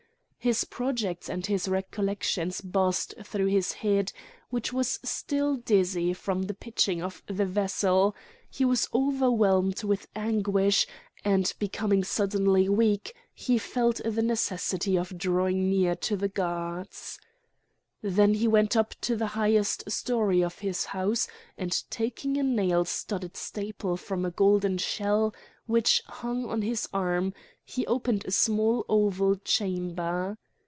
His projects and his recollections buzzed through his head, which was still dizzy from the pitching of the vessel; he was overwhelmed with anguish, and, becoming suddenly weak, he felt the necessity of drawing near to the gods. Then he went up to the highest story of his house, and taking a nail studded staple from a golden shell, which hung on his arm, he opened a small oval chamber.